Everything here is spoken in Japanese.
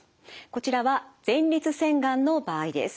こちらは前立腺がんの場合です。